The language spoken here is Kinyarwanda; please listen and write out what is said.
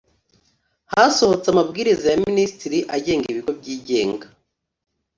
hasohotse amabwiriza ya minisitiri agenga ibigo byigenga .